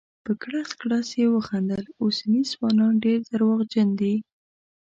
په کړس کړس یې وخندل: اوسني ځوانان ډير درواغجن دي.